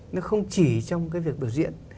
nó không chỉ trong cái việc biểu diễn